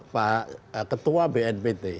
pak ketua bnpt